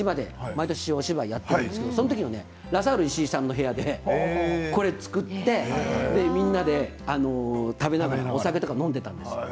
毎年、お芝居をやっているんですけれどもそのときに、ラサール石井さんの部屋でこれを作ってみんなで食べながらお酒とか飲んでいたんですよ。